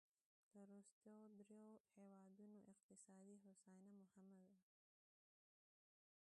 د وروستیو دریوو هېوادونو اقتصادي هوساینه مهمه ده.